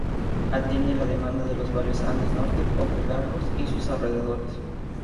Atiende la demanda de los barrios Andes Norte, Puente Largo y sus alrededores.